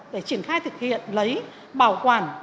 để triển khai thực hiện lấy bảo quản